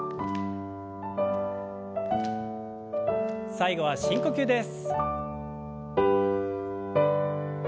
最後は深呼吸です。